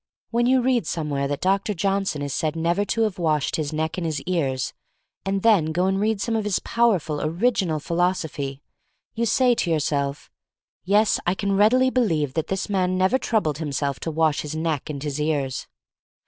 When you read somewhere that Dr. Johnson is said never to have washed his neck and his ears, and then go and read some of his powerful, original philosophy, you say to yourself, "Yes, I can readily believe that this man never troubled himself to wash his neck and his ears."